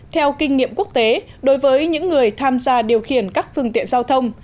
theo kinh nghiệm quốc tế đối với những người tham gia điều khiển các phương tiện giao thông